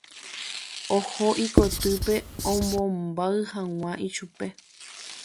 Oho ikotýpe omombáy hag̃ua ichupe.